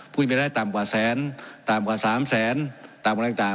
พูดไปได้ต่ำกว่าแสนต่ำกว่าสามแสนต่ำกว่าต่าง